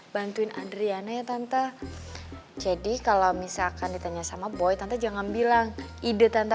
bantuin adriana ya tante jadi kalau misalkan ditanya sama boy tanta jangan bilang ide tante